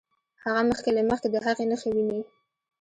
هغه مخکې له مخکې د هغې نښې ويني.